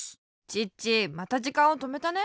チッチまたじかんをとめたね。